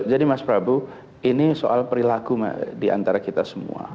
mas prabu ini soal perilaku diantara kita semua